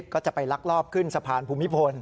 ก็จะไปลักลอบขึ้นสะพานภูมิพล